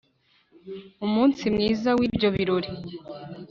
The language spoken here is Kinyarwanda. umunsi mwiza w'ibyo birori